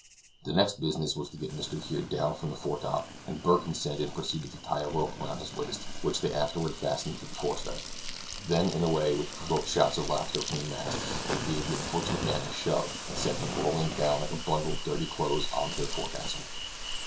The next business was to get Mr. Kear down from the foretop, and Burke and Sandon proceeded to tie a rope round his waist, which they afterward fastened to the forestay; then, in a way which provoked shouts of laughter from their mates, they gave the unfortunate man a shove, and sent him rolling down like a bundle of dirty clothes on to the forecastle.